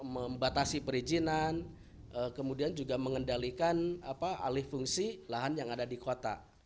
membatasi perizinan kemudian juga mengendalikan alih fungsi lahan yang ada di kota